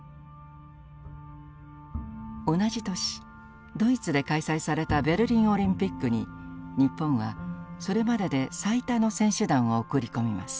同じ年ドイツで開催されたベルリンオリンピックに日本はそれまでで最多の選手団を送り込みます。